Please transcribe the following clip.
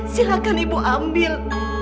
silahkan ibu ambil